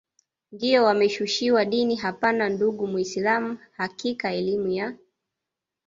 ndiyo wameshushiwa dini hapana ndugu muislam hakika elimu ya